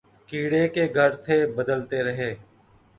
Kiray K Ghar Thay Badalty Rahay